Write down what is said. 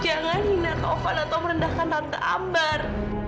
jangan hina tufan atau merendahkan tante ambar